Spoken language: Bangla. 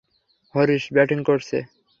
হরিশ ব্যাটিং করছে।